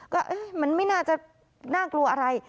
ก็มันไม่น่าจะน่ากลัวอะไร